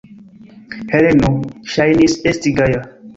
Heleno ŝajnis esti gaja.